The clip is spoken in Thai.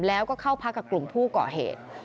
แล้วก็เข้าพักกับกลุ่มผู้ก่อเหตุ